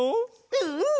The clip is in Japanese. うん！